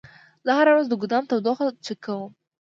زه هره ورځ د ګودام تودوخه چک کوم.